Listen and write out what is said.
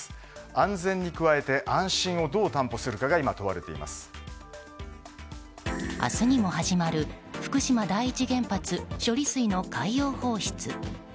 安全に加えて、安心をどう担保するかが明日にも始まる福島第一原発処理水の海洋放出。